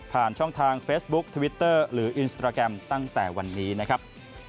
ช่องทางเฟซบุ๊คทวิตเตอร์หรืออินสตราแกรมตั้งแต่วันนี้นะครับ